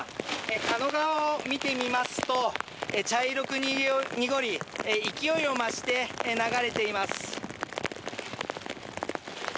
狩野川を見てみますと、茶色く濁り、勢いを増して流れています。